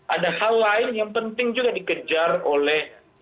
ada hal lain yang penting juga dikejar oleh